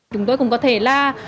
chúng tôi cũng có thể là